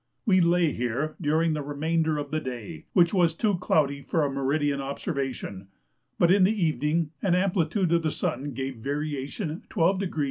We lay here during the remainder of the day, which was too cloudy for a meridian observation; but in the evening an amplitude of the sun gave variation 12° 19' east.